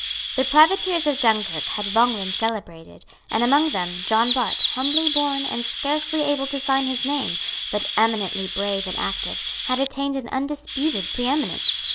The privateers of Dunkirk had long been celebrated; and among them, John Bart, humbly born, and scarcely able to sign his name, but eminently brave and active, had attained an undisputed preeminence.